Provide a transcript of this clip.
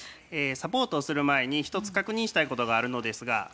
サポートをする前に一つ確認したいことがあるのですが。